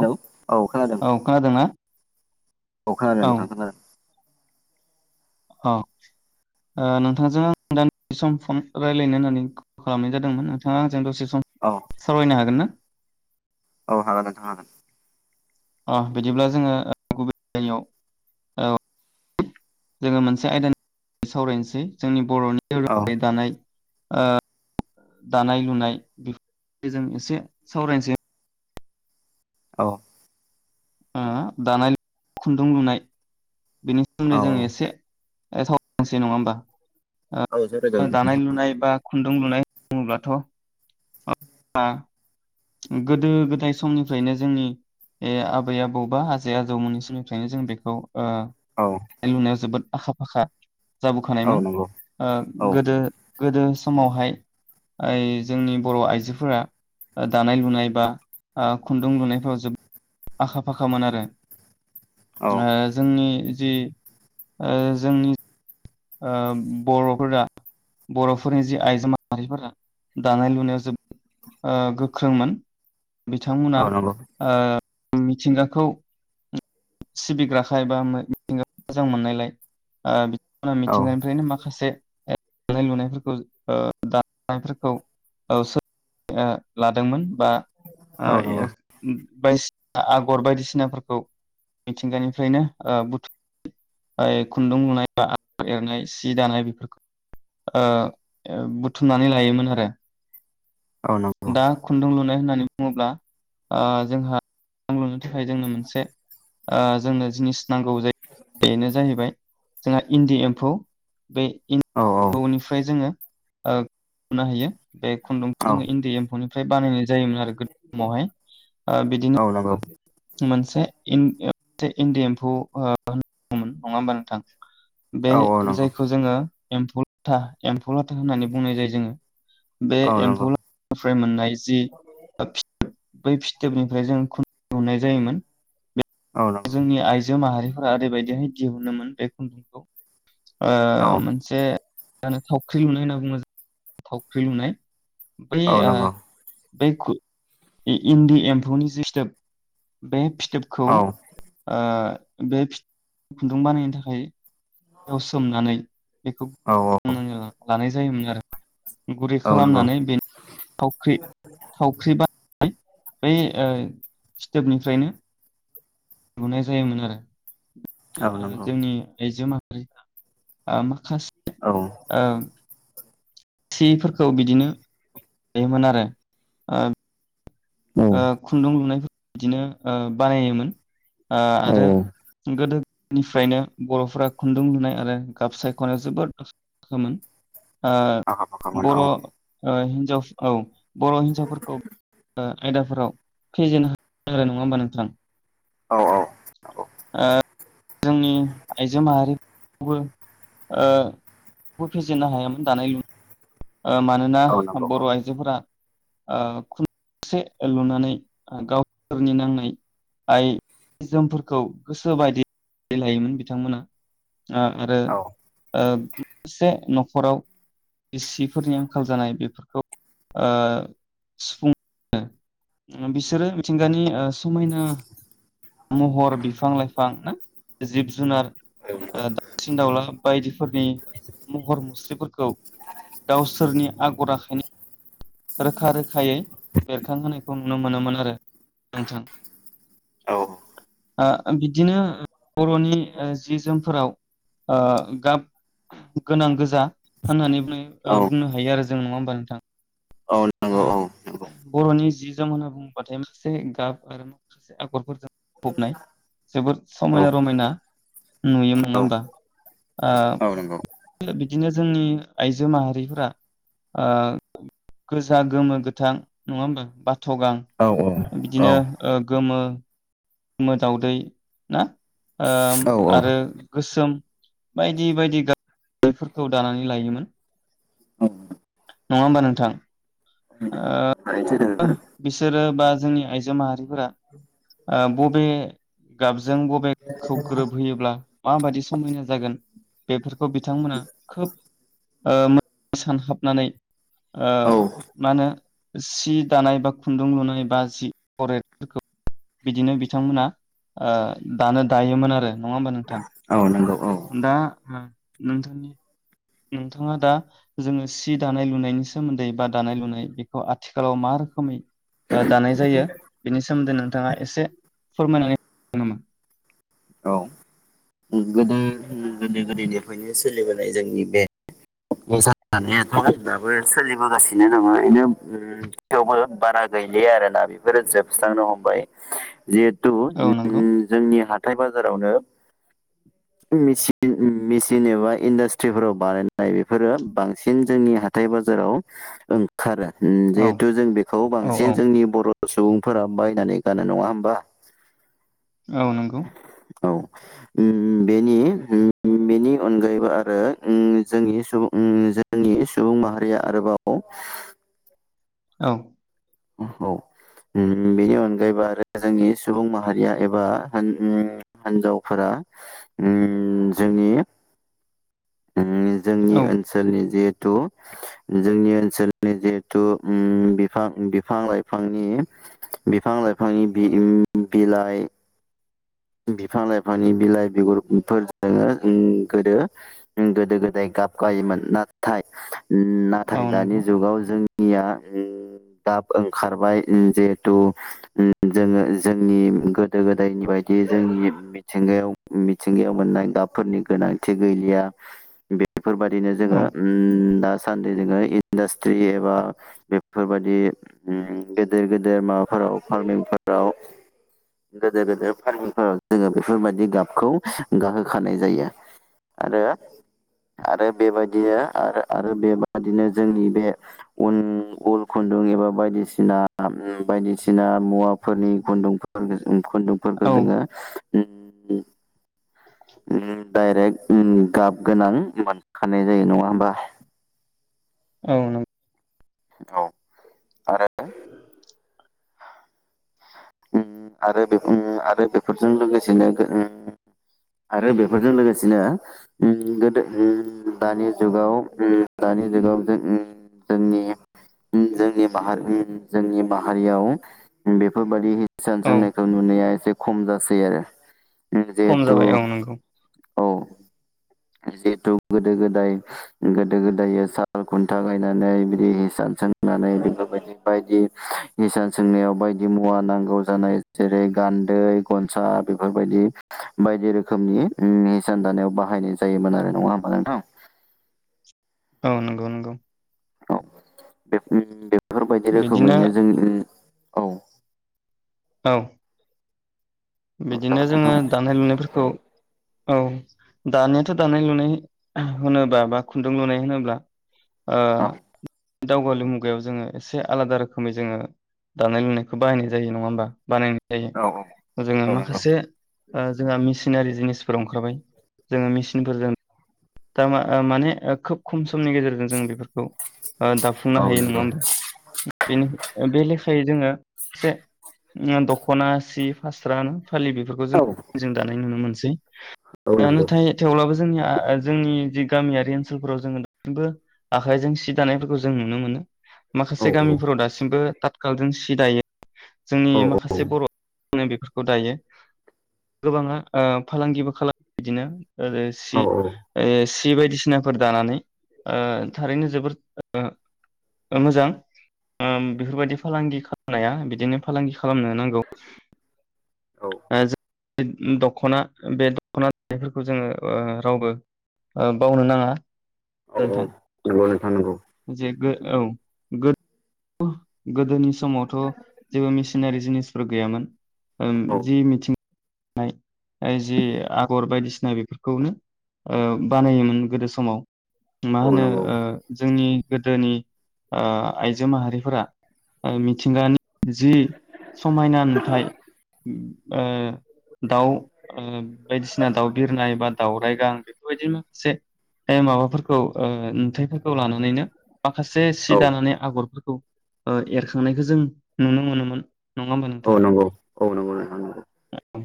Hello खोनादों औ खोनादोंना? औ खोनादों नोंथां खोनादों। अ ओ नोंथांजों आं [unintelligible] सम फन रायज्लायनो होननानै कल खालामनाय जादोंमोन नोंथाङा आंजों दसे सम औ सावरायनो हागोन ना औ हागोन नोंथां हागोन। अ बिदिब्ला जोङो गुबै जयगायाव जोङो मोनसे आयदानि सावरायनोसै जोंनि बरनि औ [unintelligible] दानाय ओ दानाय लुनाय [unintelligible] जों एसे सावरायनोसै औ उम दानाय खुन्दुं लुनाय बेनि सोमोन्दै औ जों एसे [unintelligible] नङा होमबा सावरायजागोन ओ नोंथां दानाय लुनाय बा खुन्दुं लुनाय बुङोब्लाथ [unintelligible] गोदो गोदाय समनिफ्रायनो जोंनि ए आबै आबौ बा आजै आजौमोननि समनिफ्रायनो जों बेखौ ओ औ लुनायाव जोबोद आखा फाखा औ जाबोखानायमोन नंगौ ओ औ गोदो गोदो समावहाय आइ जोंनि बर आइजोफोरा दानाय लुनाय बा ओ खुन्दुं लुनायफ्राव जोबोद आखा फाखामोन आरो। औ ओ जोंनि जि ओ जोंनि ओ बर'फोरा बर'फोरनि जि आइजो माहारिफोरा दानाय लुनायाव जोबोद गोख्रोंमोन। औ बिथांमोना नंगौ ओ उ मिथिंगाखौ। सिबिग्राखाय बा मिथिंगा मोजां मोननायलाय ओ ना औ मिथिंगानिफ्रायनो माखासे ए दानाय लुनायफोरखौ ओ दानायफोरखौ [unintelligible] लादोंमोन बा ओ नंगौ [unintelligible] बायदिसिना आगर बायदिसिनाफोरखौ। मिथिंगानिफ्रायनो ओ बुथुम खुन्दुं लुनाय बा आगर एरनाय सि दानाय बेफोरखौ ओ बुथुमनानै लायोमोन आरो। औ नंगौ दा खुन्दुं लुनाय होननाय होननानै बुङोब्ला ओ जोंहा थाखाय जोंनो मोनसे ओ जोंनो जिनिस नांगौ जायो बेनो जाहैबाय जोंहा इन्दि एम्फौ। बे एनदि औ एफौनिफ्राय जोङो ओ हमनो हायो बे औ जो इन्दि एम्फौनि फ्राय बानायनाय जायोमोन आरो गोद समावहाय बिदिनो औ नंगौ मोनसे इन्दि एम्फौ होनमोन नङा होमबा नोंथां। बे औ नंगौ औ नंगौ जायखौ जोङो। एमफौ लाथा एम एम्फौ लाथा होननानै बुंनाय जायो जोङो बे औ नंगौ एम्फौलाथानिफ्राय मोननाय जि बै फिथोबनिफ्राय जों ख लुनाय जायोमोन औ जोंनि आइजो माहारि। ओरैबायदिहाय दिहुनोमोन बे खुन्दुंखौ। ओ मोनसे। जानो थावख्रि लुनाय होनना बुङो थावख्रि लुनाय। बै आ। नंगौ बे खु इन्दि एम्फौनि जि सिथेब बे फि औ थोपखौ औ ओ बे फिथ खुन्दुं बानायनो थाखाय याव सोमनानै बेखौ औ [unintelligible] लानाय जायो। जायोमोन आरो गुरै औ नंगौ औ खालामनानै बे थावख्रि थावख्रि बा बे ओ फिथोबनिफ्रायनो लुनाय जायोमोन आरो ओ नंगौ जोंनि आइजो मा हारिफ्रा माखासे औ ओ सिफोरखौ बिदिनो दायोमोन आरो औ ओ खुन्दुं लुनायफोर बिदिनो ओ बानायोमोन औ आरो गोदो निफ्रायनो बर'फोरा खुन्दुं लुनाय आरो गाब सायखनायाव जोबोद आखा फाखामोन ओ आखा फाखामोन औ बर' ओ हिन जाव औ बर' हिन्जावफोरखौ ओ आयदाफोराव फेजेन हाग्र नङा होमबा नोंथां औ औ नंगौ ओ जोंनि आइजो माहारिखौबो ओ फेजेननो हायामोन दानाय लुनाय ओ मानोना औ नंगौ औ बर' आइजोफोरा ओ खुनसे लुनानै गावसोरनि नांनाय आयजें जोमफोरखौ गोसो बायदि लायोमोन बिथांमोना आ आरो औ ओ से न'खराव सिफोरनि आंखाल जानाय बेफोरखौ ओ सुफुङो बिसोरो मिथिंगानि ओ समायना महर बिफां-लाइफां जिब-जुनार ओ दावसिन दाउला बायदिफोरनि महर मुस्रिफोरखौ गावसोरनि आगर आखाइनि रोखा रोखायै बेरखांहोनाय खौ नुनो मोनोमोन आरो नोंथां औ ओ बिदिनो बर'नि ओ जि जोमफोराव ओ गाब गोनां गोजा होननानै ओ नंगौ बुंनो हायो आरो जों नङा होमबा नोंथां औ ओ नंगौ बर'नि जि जोम होनना बुंबाथाय माखासे गाब आरो माखासे आगरफोरजों बुंफबनाय जोबोद औ समायना रमायना नुयो नङा औ होमबा आ औ नंगौ बिदिनो जोंनि आइजो माहारिफोरा ओ गोजा गोमो गोथां नङा होमबा बाथ गां औ औ बिदिनो ओ गोमो गोमो दावदै ना ओ औ आरो गोसोम बायदि बायदि गाबफोरखौ दानानै लायोमोन नङा होमबा नोंथां ओ बिसोरो बा जोंनि आइजो माहारिफोरा ओ बबे गाबजों बबेखौ ग्रोबहोयोब्ला माबायदि समायना जागोन बेफोरखौ बिथांमोना खोब सानहाबनानै ओ मा होनो सि दानाय बा खुन्दुं लुनाय बा जि अगरफोरखौ बिदिनो बिथांमोना ओ दानो दायोमोन आरो नङा होमबा नोंथां? नोंगौ दा नोंथांनि नोंथाङा दा जोङो सि दानाय लुनायनि सोमोन्दै बा दानाय लुनाय बेखौ आथिखालाव मा रोखोमै दानाय जायो बेनि सोमोन्दै नोंथाङा एसे फोरमायनो [unintelligible] गोदो गोदो गोदोनिफ्रायनो सोलिबोनाय जोंनि बे नि सनायाथ दाबो सोलिबोगासिनो नङा बेनो थेवबो बारा गैलिया आरो ना बेफोरो जोबस्रांनो हमबाय जिहेथु औ ओम नंगौ जोंनि हा हथाइ बाजारावनो मिसिन एबा इन्डास्ट्रिफोराव बानाय नाय बेफोरो बांसिन जोंनि हाथाय बाजाराव ओंखारो औ जिहेथु जों बेखौ औ बांसिन औ जोंनि बर' सुबुंफोरा बायनानै गानो नङा होमबा औ नंगौ औ ओम बेनि बेनि अनगायैबो आरो ओम जोंनि सुबुं जोंनि सुबुं माहारिया आरोबाव औ औ बेनि अनगायैबो आरो जोंनि सुबुं माहारिया एबा हिन्जावफोरा ओम जोंनि जोंनि औ ओनसोलनि जे जोंनि ओनसोलनि जिहेथु ओम बिफां बिफां लाइफांनि बिफां लाइफांनि बि-बिलाइ बिफां लाइफांनि बिलाइ बिगुरफोरजों गोदो गोदो गोदाय गाबगायोमोन नाथाय नाथाय औ दानि नंगौ जुगाव जों निया गाब ओंखारबाय जिहेथु जोङो जोंनि गोदो गोदायनि बाय दि जोंनि मिथिंगायाव मिथिंगायाव मोननाय गाबफोरनि गोनांथि गैलिया बे बेफोरबायाददिनो औ जोङो दा दासान्दि जोङो इन्डास्ट्रि एबा बेफोरबादि गेदेर गेदेर माबाफोराव फार्मिंफोराव गेदेर गेदेर [inaudible] जोङो बेफोरबायदि गाबखौ गाहोखानाय जायो आरो आरो बेबायदिनो आरो बेबादिनो जोंनि बे उन उल खुन्दुं एबा बायदिसिना बायदिसिना मुवाफोरनि खुन्दुंफोर खुन्दुं फोरखौ औ जोङो उम उम डाइरेक्ट उम गाब गोनां मोनखानाय जायो नङा होमबा औ नों औ आरो ओं आरो बे आरो बेफोरजों लोगोसेनो ओं आरो बेफोरजों लोगोसेनो गोदो दानि जुगाव दानि जुगाव जों जोंनि जोंनि माहारि जोंनि माहारियाव बेफोर बादि सान औ सोंनायखौ नुनाया एसे खमजासै आरो [unintelligible] खम जिहेतु जाबाय औ नंगौ औ जिहेथु गोदो गोदाय गोदो गोदाय साल खुन्था गायनानै बिदि हिसाब सोंनानै बेफोरबायदि बायदि हिसाब सोंनायाव बायदि मुवा नांगौ जानाय जेरै गान्दै गनसा बेफोरबायदि बायदि रोखोमनि उम हिसान दानायाव बाहायनाय जायोमोन आरो नङा होमबा नोंथां। औ नंगौ नंगौ। औ बे [unintelligible] फोरबायदि बिदिनो रोखोमैनो जों [unintelligible] औ औ बिदिनो जागोन जोङो नोंथां दानाय लुनायफोरखौ औ दानियाथ' दानाय लुनाय होनोब्ला बा खुन्दुं लुनाय होनोब्ला ओ औ दावगालु मुगायाव जोङो एसे आलादा रोखोमै जोङो दानाय लुनायखौ बाहायनाय जायो नङा होमबा बानायनो औ औ जोङो औ नंगौ माखासे ओ जोंहा मेसिनारि जिनिसफोराव ओंखारबाय जोङो मेसिनफोरजों दा मा माने खोब खम समनि गेजेरजों जों बेफोरखौ ओ दाफुंनो औ हायो नंगौ नङा होमबा बेनो बे लेखायै जोङो से उम दखना सि फास्रानो फालि बेफोरखौ जों औ जों दानो नाय नुनो मोनसै औ दा नंगौ नाथाय थेवब्लाबो जोंनिआ [unintelligible] जोंनि जि गामियारि ओनसोलफोराव जोङो दासिमबो आखायजों सि दानायफोरखौ जों नुनो मोनो। औ माखासे गामिफोराव दासिमबो थाथखालजों जि दायो। जोंनि औ माखासे बर' ङो बेफोरखौ दायो गोबाङा ओ फालांगिबो खालामो बिदिनो आरो सि ओ सि बायदिसिनाफोर दानानै ओ थारैनो जोबोर ओ मोजां ओ बेफोरबायदि फालांगि खालामनाया बिदिनो फालांगि खालामनो नांगौ। ओ जो दखना बे दखना [unintelligible] नायफोरखौ जोङो रावबो बावनो नाङा औ नोंथां। औ नंगौ नोंथां नंगौ। जे गो औ गोद औ गोदोनि समावथ' जेबो मेसिनारि जिनिसफोर गैयामोन ओम औ जि मिथिं [unintelligible] नाय ओ जि आगर बायदिसिना बेफोरखौनो ओ बानायोमोन गोदो समाव मा औ होनो नंगौ ओ जोंनि गोदोनि ओ आइजो माहारिफोरा ओ मिथिंगानि जि समायना नुथाय ओ दाउ ओ बायदिसिना दाउ बिरनाय बा दावराइगां बेफोरबायदि माखासे माबाफोरखौ ओ नुथायाइफोरखौ लानानैनो माखासे औ सि दानानै आगरफोरखौ ओ एरखांनायखौ जों नुनो मोनोमोन नङा होमबा औ नोंथां? नंगौ औ नंगौ नोंथां नंगौ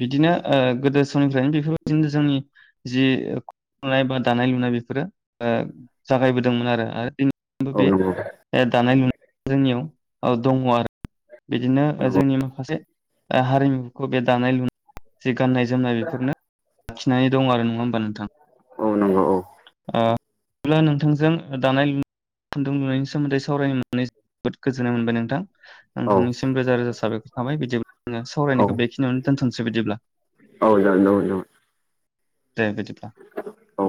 बिदिनो ओ गोदो समनिफ्रायनो बेफोरबायदिनो जोंनि जि खनाय बा दानाय लुनाय बेफोरो ओ जागायबोदोंमोन आरो बेनि औ बे नंगौ दानाय लु जोंनियाव ओ दंङ आरो बिदिनो ओ नंगौ जोंनि माखासे हारिमु खो बे दानाय लुनाय जि गान्नाय जोमनाय बेफोरनो लाखिनानै दं आरो नङा होमबा नोंथां औ नंगौ औ अ ब्ला नोंथांजों दानाय लुन खुदुं लुनायनि सोमोन्दै सावरायनोनानै जोबोद गोजोननाय मोनबाय नोंथां। औ नोंथांनिसिम रोजा रोजा साब साबायखर‌ थाबाय बिंदिया जो औ सावरायनायखौ बेख खिनियावनो दोनथनसै बिदिब्ला। न' न'। दे बिदिब्ला। औ औ